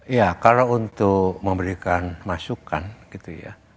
iya kalau untuk memberikan masukan gitu ya